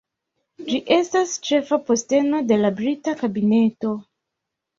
Ĝi estas ĉefa posteno de la Brita Kabineto.